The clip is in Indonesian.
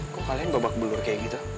kok kalian babak belur kayak gitu